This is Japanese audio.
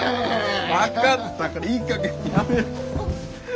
分かったからいいかげんにやめろ。